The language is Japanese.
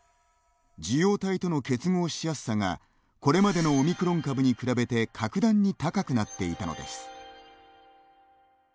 受容体との結合しやすさがこれまでのオミクロン株に比べて格段に高くなっていたのです。